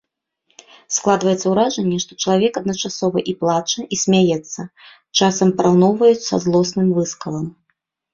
Складваецца ўражанне, што чалавек адначасова і плача, і смяецца, часам параўноўваюць са злосным выскалам.